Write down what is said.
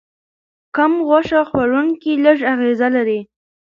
کم غوښه خوړونکي لږ اغېز لري.